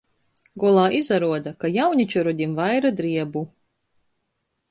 Golā izaruoda, ka jauniča rodim vaira driebu.